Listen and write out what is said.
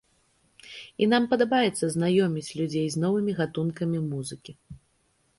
І нам падабаецца знаёміць людзей з новымі гатункамі музыкі.